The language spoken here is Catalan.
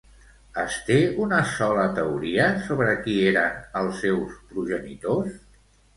Es té una sola teoria sobre qui eren els seus progenitors?